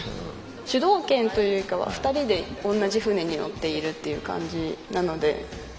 主導権というかは２人で同じ船に乗っているという感じなので。